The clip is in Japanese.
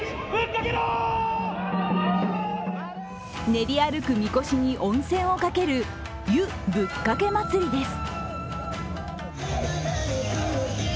練り歩くみこしに温泉をかける湯ぶっかけまつりです。